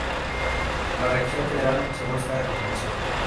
La reacción general se muestra a continuación.